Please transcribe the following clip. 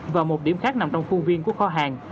và một điểm khác nằm trong khuôn viên của kho hàng